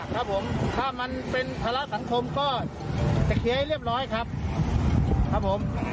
ครับผมถ้ามันเป็นภาระสังคมก็จะเคลียร์ให้เรียบร้อยครับครับผม